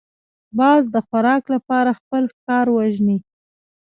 باز د خوراک لپاره خپل ښکار وژني